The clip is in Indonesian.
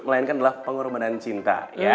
melainkan adalah pengorbanan cinta